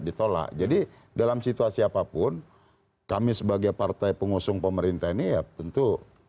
ditolak jadi dalam situasi apapun kami sebagai partai pengusung pemerintah ini ya tentu